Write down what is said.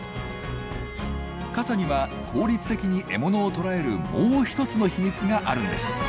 傘には効率的に獲物を捕らえるもう一つの秘密があるんです。